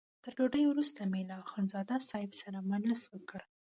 تر ډوډۍ وروسته مې له اخندزاده صاحب سره مجلس وکړ.